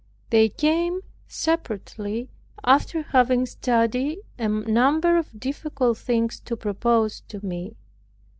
They came separately, after having studied a number of difficult things to propose to me.